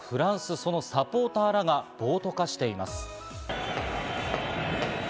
そのサポーターらが暴徒化しています。